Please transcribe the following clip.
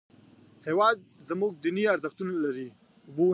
هېواد زموږ دیني ارزښتونه لري